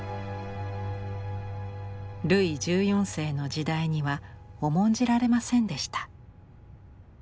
ルイ１４世の時代には重んじられませんでした。